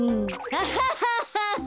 アハハハハ！